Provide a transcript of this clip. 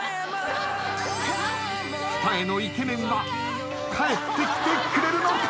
二重のイケメンは帰ってきてくれるのか？